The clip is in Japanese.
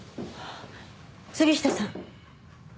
杉下さん。